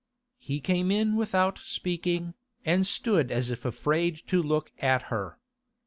He came in without speaking, and stood as if afraid to look at her.